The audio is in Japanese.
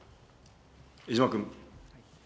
江島君。